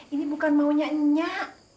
ini bukan maunya nyak